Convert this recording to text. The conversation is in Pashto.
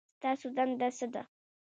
ستاسو دنده څه ده؟